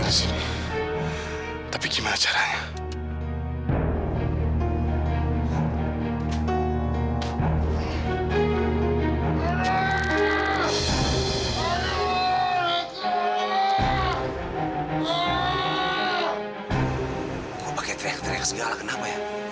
kok pakai teriak teriak segala kenapa ya